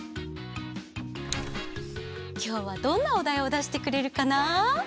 きょうはどんなおだいをだしてくれるかな？